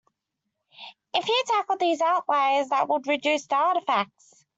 If you tackled these outliers that would reduce the artifacts.